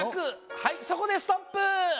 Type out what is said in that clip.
はいそこでストップ！